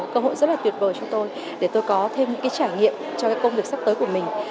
cơ hội rất là tuyệt vời cho tôi để tôi có thêm những cái trải nghiệm cho cái công việc sắp tới của mình